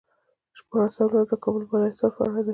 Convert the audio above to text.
شپاړسم لوست د کابل بالا حصار په اړه دی.